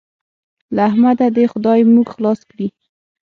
له احمده دې خدای موږ خلاص کړي.